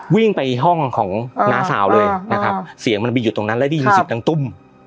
วิ่งไปห้องของน้าสาวเลยนะครับเสียงมันไปอยู่ตรงนั้นแล้วได้ยินเสียงดังตุ้ม